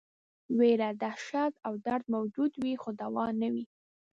ویره، دهشت او درد موجود وي خو دوا نه وي.